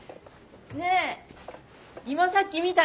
ねえ今さっき見たよ。